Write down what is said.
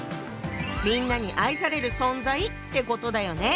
みんなに愛される存在ってことだよね。